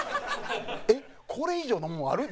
えっこれ以上のものある？